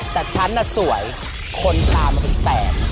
แต่ฉันสวยคนตามเป็นแสน